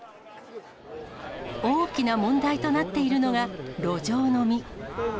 大きな問題となっているのが、路上飲み。